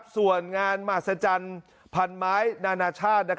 ส่วนงานมหัศจรรย์พันไม้นานาชาติ